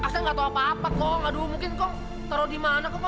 jangan bohong gua rawum dulu